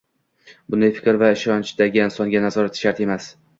Bunday fikr va ishonchdagi insonga nazorat shart emas.